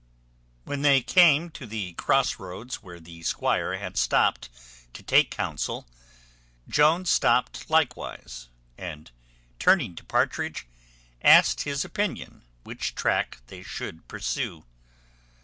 When they came to the cross roads where the squire had stopt to take counsel, Jones stopt likewise, and turning to Partridge, asked his opinion which track they should pursue.